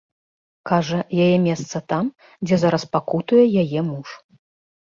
Кажа, яе месца там, дзе зараз пакутуе яе муж.